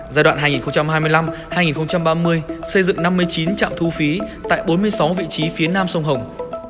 giai đoạn hai nghìn hai mươi năm hai nghìn ba mươi xây dựng năm mươi chín trạm thu phí tại bốn mươi sáu vị trí phía nam sông hồng